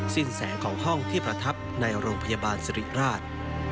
แสงของห้องที่ประทับในโรงพยาบาลสิริราช